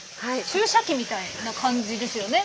注射器みたいな感じですよね。